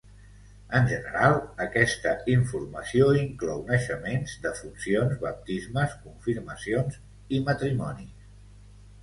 En general, aquesta informació inclou naixements, defuncions, baptismes, confirmacions i matrimonis.